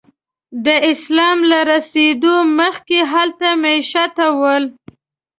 د اسلام له رسېدو مخکې هلته میشته ول.